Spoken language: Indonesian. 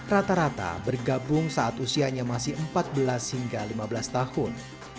rata rata bergabung saat usianya masih empat belas hingga lima belas tahun